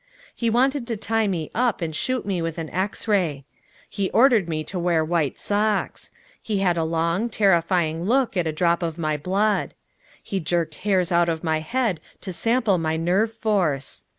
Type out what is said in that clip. He wanted to tie me up and shoot me with an X ray. He ordered me to wear white socks. He had a long, terrifying look at a drop of my blood. He jerked hairs out of my head to sample my nerve force.